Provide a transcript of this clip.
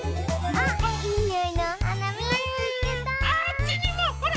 ああっちにもほら！